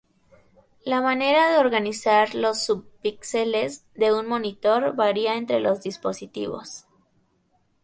La manera de organizar los subpíxeles de un monitor varia entre los dispositivos.